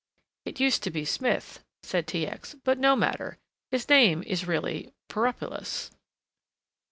"It used to be Smith," said T. X., "but no matter. His name is really Poropulos."